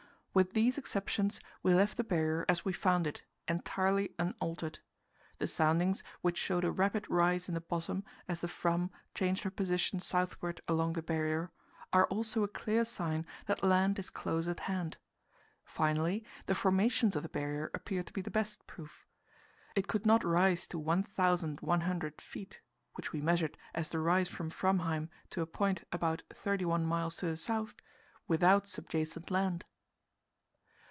With these exceptions, we left the Barrier as we found it, entirely unaltered. The soundings, which showed a rapid rise in the bottom as the Fram changed her position southward along the Barrier, are also a clear sign that land is close at hand. Finally, the formations of the Barrier appear to be the best proof. It could not rise to 1,100 feet which we measured as the rise from Framheim to a point about thirty one miles to the south without subjacent land.